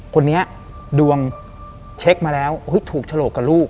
คนนี้ดวงเช็คมาแล้วถูกฉลกกับลูก